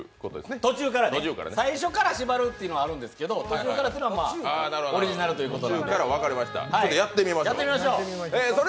最初から縛るというのはあるんですけど途中からというのはオリジナルということで。